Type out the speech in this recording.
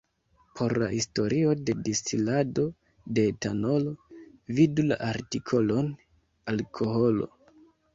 Por la historio de distilado de etanolo, vidu la artikolon Alkoholo.